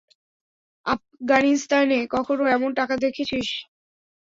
আপগানিস্তানে কখনো এমন টাকা দেখেছিস?